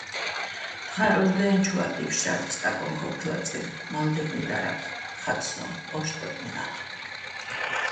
თხა ჸურდეჼ, ჩუაჸ დიფშრა́თხ, სტაკონ ქო́რთო̆ ლაწირ, მალდელნუ́ჲ დარათხო̆, ხაწ სო́ჼ: ოშტიჸ მენა́ხ ჴი́ქ.